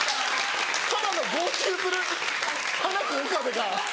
ただの号泣するハナコ・岡部が。